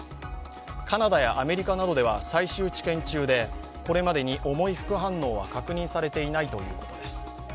カナダやアメリカなどでは最終治験中でこれまでに重い副反応は確認されていないということです。